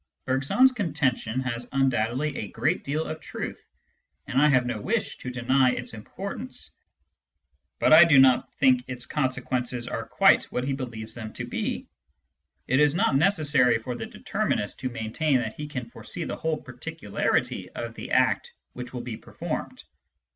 Bergson's contention has undoubtedly a great deal of truth, and I have no wish to deny its importance. But I do not think its consequences are quite what he believes them to be. It is not necessary for the determinist to maintain that he can foresee the whole particularity of the act which will be performed.